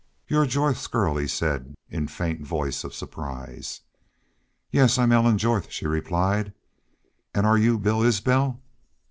"You're Jorth's girl," he said, in faint voice of surprise. "Yes, I'm Ellen Jorth," she replied. "An' are y'u Bill Isbel?"